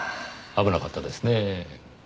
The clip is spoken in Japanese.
危なかったですねぇ。